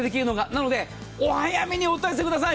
なので早めに対応してください。